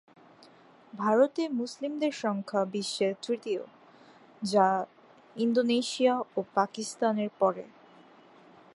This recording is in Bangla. ভারতে মুসলিমদের সংখ্যা বিশ্বে তৃতীয়, যা ইন্দোনেশিয়া ও পাকিস্তানের পরে।